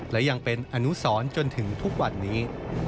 และยังเป็นอนุสรจนถึงทุกวันนี้